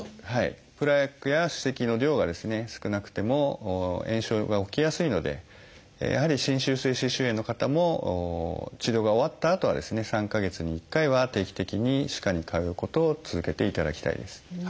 プラークや歯石の量が少なくても炎症が起きやすいのでやはり侵襲性歯周炎の方も治療が終わったあとはですね３か月に１回は定期的に歯科に通うことを続けていただきたいです。